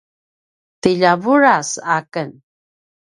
ti ljavuras aken